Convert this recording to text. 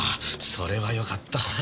それはよかった。